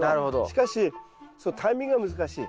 しかしそのタイミングが難しい。